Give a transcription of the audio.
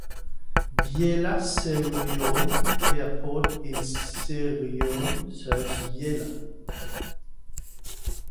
Biella-Cerrione Airport in Cerrione serves Biella.